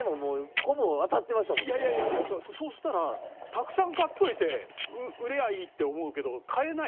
いやいやじゃあさそしたらたくさん買っておいて売りゃいいって思うけど。